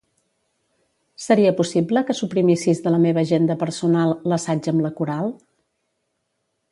Seria possible que suprimissis de la meva agenda personal l'assaig amb la coral?